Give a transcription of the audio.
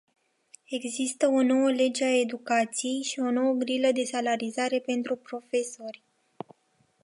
Există o nouă lege a educației și o nouă grilă de salarizare pentru profesori.